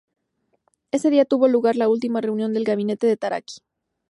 Ese día tuvo lugar la última reunión del gabinete de Taraki.